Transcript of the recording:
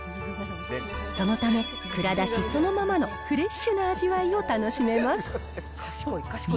そのため、蔵出しそのままのフレッシュな味わいを楽しめます。